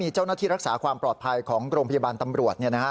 เจ้าหน้าที่รักษาความปลอดภัยของโรงพยาบาลตำรวจ